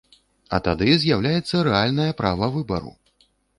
А тады з'яўляецца рэальнае права выбару.